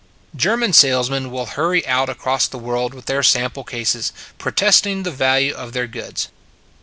" German salesmen will hurry out across the world with their sample cases, protest ing the value of their goods.